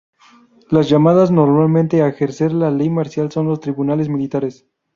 Los llamados normalmente a ejercer la ley marcial son los tribunales militares.